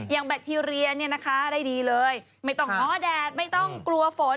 อย่างแบคทีเรียได้ดีเลยไม่ต้องอ้อแดดไม่ต้องกลัวฝน